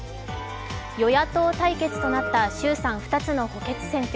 与野党対決となった衆参２つの補欠選挙。